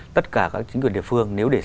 tất cả các chính quyền địa phương nếu để